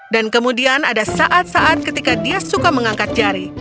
dan kemudian ada saat saat ketika dia suka mengangkat jari